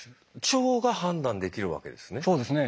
腸が判断できるわけですね。